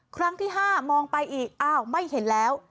ครั้งที่๕มองไปอีกอ้าวไม่เห็นแล้ว